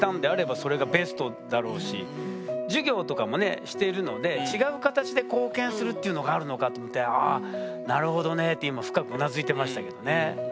授業とかもねしてるので違う形で貢献するっていうのがあるのかと思ってああなるほどねって今深くうなずいてましたけどね。